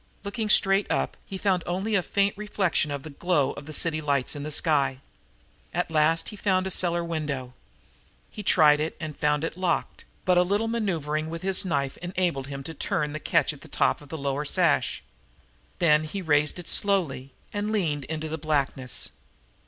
Looking straight up he found only a faint reflection of the glow of the city lights in the sky. At last he found a cellar window. He tried it and found it locked, but a little maneuvering with his knife enabled him to turn the catch at the top of the lower sash. Then he raised it slowly and leaned into the blackness.